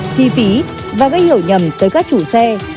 chi phí và gây hiểu nhầm tới các chủ xe